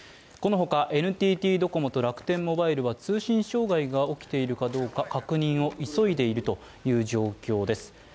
このほかＮＴＴドコモと楽天モバイルは通信障害起きているかどうか確認を急いでいる状況です。